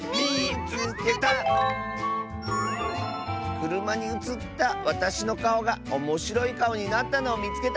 「くるまにうつったわたしのかおがおもしろいかおになったのをみつけた！」。